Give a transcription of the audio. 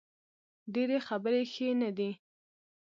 ډیرې خبرې ښې نه دي